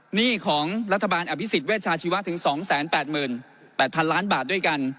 หนี้ของรัฐบาลอภิษฎเวชาชีวะถึง๒๘๘๐๐๐ล้านบาทด้วยกัน